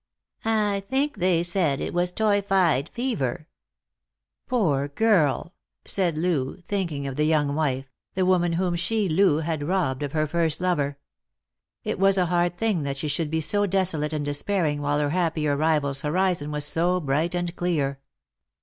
I think they said it was toyphide fever." " Poor girl !" said Loo, thinking of the young wife — the woman whom she, Loo, had robbed of her first lover. It was a hard thing that she should be desolate and despairing while her happier rival's horizon was so bright and clear.